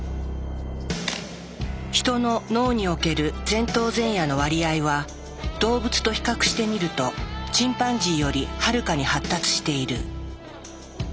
ヒトの脳における前頭前野の割合は動物と比較してみるとチンパンジーよりはるかに発達している。